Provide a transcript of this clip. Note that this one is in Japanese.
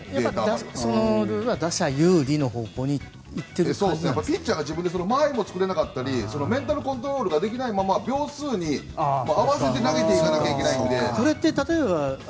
そのルールは打者有利の方向にピッチャーが自分で間合いを作れなかったりメンタルコントロールができないまま秒数に合わせて投げなきゃいけないので。